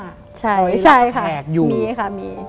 ใช่ค่ะมีค่ะมี